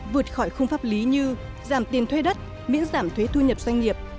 vượt khỏi khung pháp lý như giảm tiền thuê đất miễn giảm thuế thu nhập doanh nghiệp